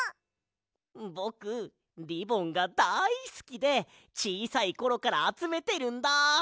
ぼくリボンがだいすきでちいさいころからあつめてるんだ。